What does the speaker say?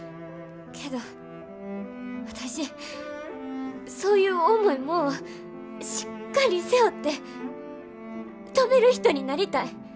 けど私そういう重いもんをしっかり背負って飛べる人になりたい。